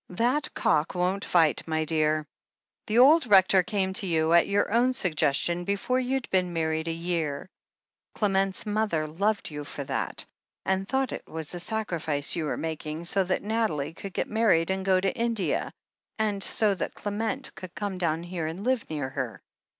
"That cock won't fight, my dear. The old Rector came to you, at your own suggestion, before you'd been married a year. Clement's mother loved you for that, and thought it was a sacrifice you were making, so that Nathalie could get married and go to India, and so that Clement could come down here and live near her.